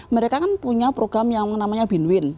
mereka kan punya program yang namanya binwin